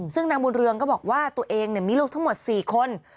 ซึ่งนางบุญเรืองก็บอกว่าตัวเองมีลูกทั้งหมด๔คน